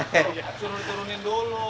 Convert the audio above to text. suruh diturunin dulu